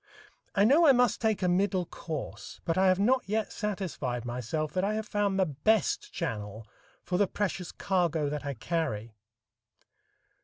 I know I must take a middle course, but I have not yet satisfied myself that I have found the best channel for the precious cargo that I carry.